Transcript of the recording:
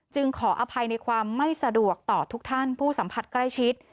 ขออภัยในความไม่สะดวกต่อทุกท่านผู้สัมผัสใกล้ชิด